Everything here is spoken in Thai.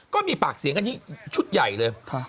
ก็มีปากเสียงชุดใหญ่เลย